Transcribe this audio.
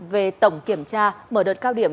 về tổng kiểm tra mở đợt cao điểm